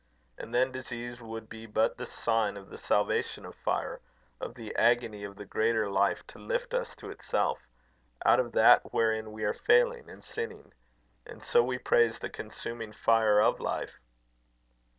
And then disease would be but the sign of the salvation of fire; of the agony of the greater life to lift us to itself, out of that wherein we are failing and sinning. And so we praise the consuming fire of life."